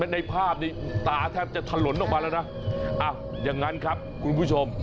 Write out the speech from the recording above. ในภาพนี้ตาแทบจะถลนออกมาแล้วนะอย่างนั้นครับคุณผู้ชม